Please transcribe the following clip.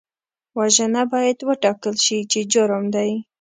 وژنه باید وټاکل شي چې جرم دی